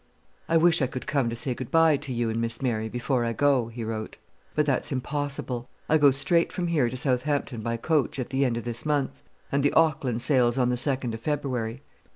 "I wish I could come to say good bye to you and Miss Mary before I go," he wrote; "but that's impossible. I go straight from here to Southampton by coach at the end of this month, and the Auckland sails on the 2nd of February.